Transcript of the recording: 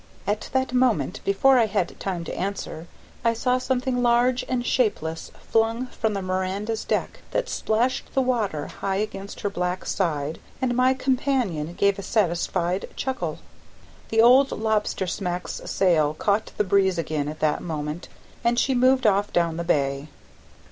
At that moment, before I had time to answer, I saw something large and shapeless flung from the Miranda's deck that splashed the water high against her black side, and my companion gave a satisfied chuckle. The old lobster smack's sail caught the breeze again at this moment, and she moved off down the bay.